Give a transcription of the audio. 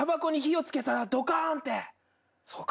そうか。